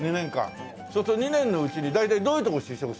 そうすると２年のうちに大体どういうとこ就職する？